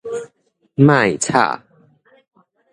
莫吵